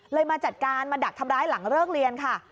มาจัดการมาดักทำร้ายหลังเลิกเรียนค่ะ